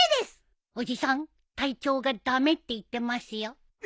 おじさん隊長が駄目って言ってますよ。